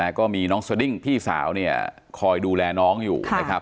ก็มีน้องสดิ้งพี่สาวเนี่ยคอยดูแลน้องอยู่นะครับ